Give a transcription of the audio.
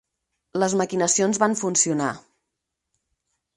Les maquinacions van funcionar.